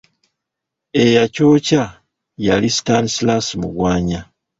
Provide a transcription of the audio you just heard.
Eyakyokya yali Stanslas Mugwanya.